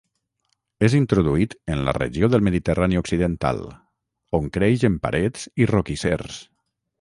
És introduït en la regió del Mediterrani Occidental, on creix en parets i roquissers.